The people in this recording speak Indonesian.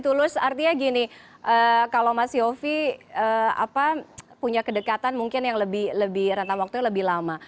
tulus artinya gini kalau mas yofi punya kedekatan mungkin yang lebih rentang waktunya lebih lama